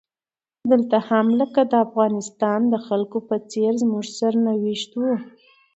دلته هم لکه د افغانستان د خلکو په څیر زموږ سرنوشت و.